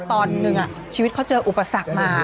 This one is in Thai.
ตอนหนึ่งชีวิตเขาเจออุปสรรคมา